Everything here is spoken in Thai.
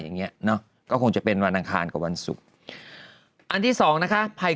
อย่างนี้ก็คงจะเป็นวันอังคารกว่าวันศุกร์อันที่๒นะคะภัย